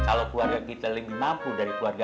kalau keluarga kita lebih mampu dari keluarga